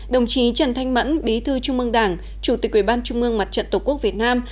đồng chí trần thanh mẫn bí thư trung mương đảng chủ tịch quỹ ban trung mương mặt trận tổ quốc việt nam